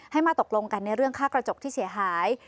มาตกลงกันในเรื่องค่ากระจกที่เสียหาย